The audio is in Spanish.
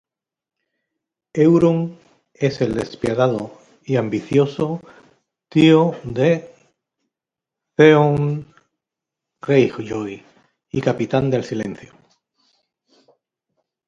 Euron es el despiadado y ambicioso tío de Theon Greyjoy y capitán del "Silencio".